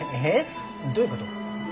えどういうこと？